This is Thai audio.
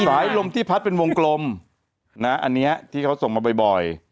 สายลมที่พัดเป็นวงกลมนะอันนี้ที่เขาส่งมาบ่อย